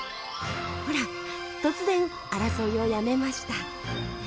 ほら突然争いをやめました。